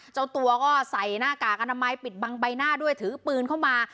เจ้าตัวก็ใส่หน้ากากอนามัยปิดบังใบหน้าด้วยถือปืนเข้ามา